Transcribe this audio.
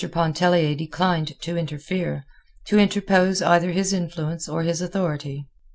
Pontellier declined to interfere, to interpose either his influence or his authority.